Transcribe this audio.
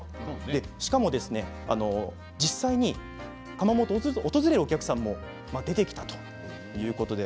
しかも実際に窯元を訪れるお客様も出てきたということです。